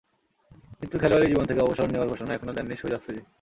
কিন্তু খেলোয়াড়ি জীবন থেকে অবসর নেওয়ার ঘোষণা এখনো দেননি শহীদ আফ্রিদি।